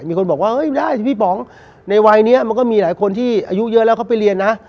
มีคนบอกว่าเฮ้ยได้สิพี่ป๋องในวัยนี้มันก็มีหลายคนที่อายุเยอะแล้วเขาไปเรียนนะ